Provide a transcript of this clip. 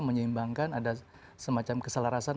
menyeimbangkan ada semacam keselarasan